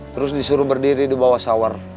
terus disuruh berdiri di bawah sawar